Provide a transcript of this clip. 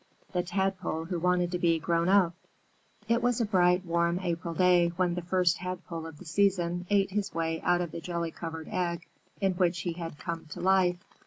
THE TADPOLE WHO WANTED TO BE GROWN UP It was a bright, warm April day when the First Tadpole of the season ate his way out of the jelly covered egg in which he had come to life.